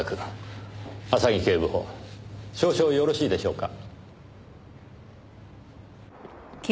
浅木警部補少々よろしいでしょうか？